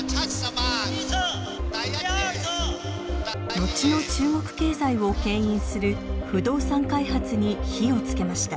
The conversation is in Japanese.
後の中国経済をけん引する不動産開発に火をつけました。